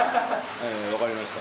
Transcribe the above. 分かりました。